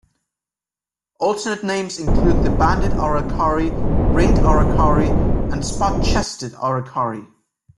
Alternate names include the banded aracari, ringed aracari and spot-chested aracari.